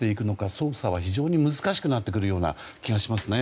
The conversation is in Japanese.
捜査は非常に難しくなってくるような気がしますね。